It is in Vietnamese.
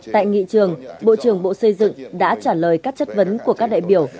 tại nghị trường bộ trưởng bộ xây dựng đã trả lời các chất vấn của các đại biểu